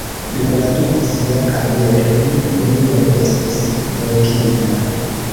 Dum la tuta sia kariero li neniam estis venkita.